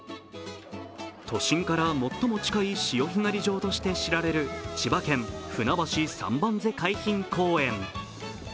都心から最も近い潮干狩り場として知られる千葉県ふなばし三番瀬海浜公園。